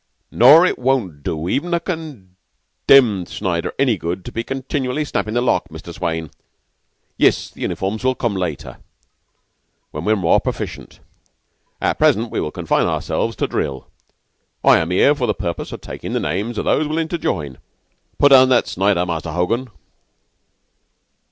"Nor it won't do even a condemned Snider any good to be continual snappin' the lock, Mr. Swayne. Yiss, the uniforms will come later, when we're more proficient; at present we will confine ourselves to drill. I am 'ere for the purpose o' takin' the names o' those willin' to join. Put down that Snider, Muster Hogan!"